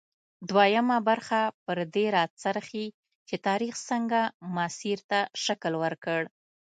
دویمه برخه پر دې راڅرخي چې تاریخ څنګه مسیر ته شکل ورکړ.